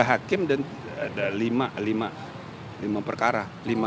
tiga hakim dan ada lima perkara